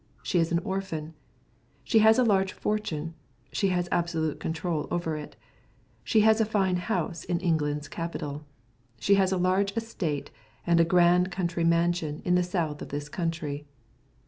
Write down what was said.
She is an orphan. She has a large fortune. She has absolute control over it. She has a fine house in England's capital. She has a large estate and a grand country mansion in the south of this country.